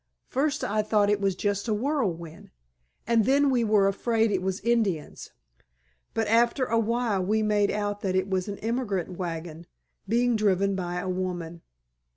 First I thought it was just a whirlwind, and then we were afraid it was Indians. But after a while we made out that it was an emigrant wagon, being driven by a woman.